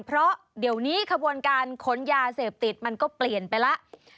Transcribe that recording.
เพราะเดี๋ยวนี้ขบวนการขนยาเสพติดมันก็เปลี่ยนไปแล้ว